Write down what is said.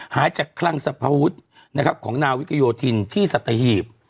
หายจากคลังสรรพวุฒินะครับของนาวิกโยธินที่สัตหีบ